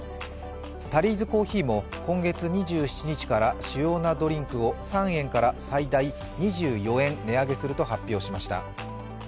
タリーズコーヒーも今月２７日から主要なドリンクを３円から最大２４円値上げすると発表しました。